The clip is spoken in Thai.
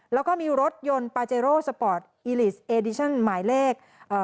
แล้วก็มีรถยนต์ปาเจโร่สปอร์ตอีลิสต์เอดิชั่นหมายเลขเอ่อ